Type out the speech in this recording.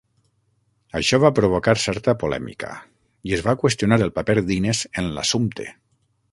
Això va provocar certa polèmica i es va qüestionar el paper d'Ines en l'assumpte.